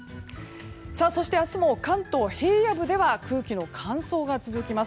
そして明日も関東、平野部では空気の乾燥が続きます。